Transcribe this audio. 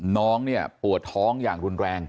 น้องเนี่ยปวดท้องอย่างรุนแรง